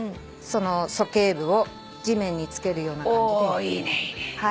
おぉいいねいいね。